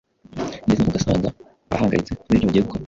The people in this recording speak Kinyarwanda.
ndetse ugasanga bahangayitse kubera ibyo bagiye gukora.